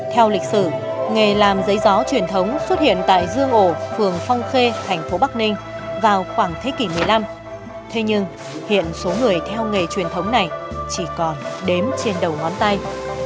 theo lịch sử nghề làm giấy gió truyền thống xuất hiện tại dương ổ phường phong khê thành phố bắc ninh vào khoảng thế kỷ một mươi năm thế nhưng hiện số người theo nghề truyền thống này chỉ còn đếm trên đầu ngón tay